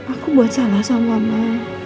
aku buat salah sama mama